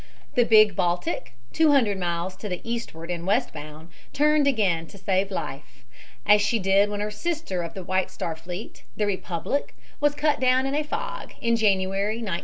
The big Baltic, 200 miles to the eastward and westbound, turned again to save life, as she did when her sister of the White Star fleet, the Republic, was cut down in a fog in January, 1909.